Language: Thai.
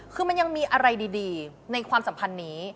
คือมันยังมีอะไรดีในความสัมพันธ์นี้